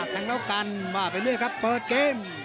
แทงแล้วกันว่าไปเรื่อยครับเปิดเกม